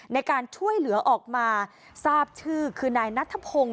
ในการช่วยเหลือออกมาทราบชื่อคือนายนัทพงศ์